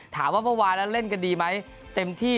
ถามว่าเมื่อวานแล้วเล่นกันดีไหมเต็มที่